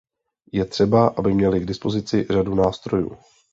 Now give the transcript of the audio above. Je třeba, aby měly k dispozici řadu nástrojů.